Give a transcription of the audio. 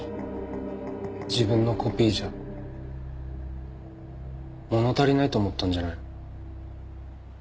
自分のコピーじゃ物足りないと思ったんじゃないの。